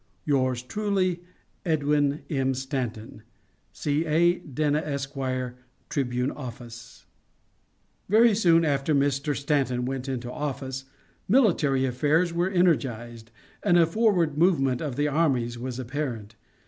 Yours truly, EDWIN M. STANTON. C. A. DANA, Esq., Tribune Office. Very soon after Mr. Stanton went into office military affairs were energized, and a forward movement of the armies was apparent.